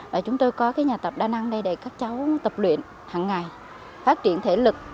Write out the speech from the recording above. và chúng tôi có cái nhà tập đa năng đây để các cháu tập luyện hằng ngày phát triển thể lực